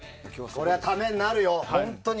これはためになるよ、本当に。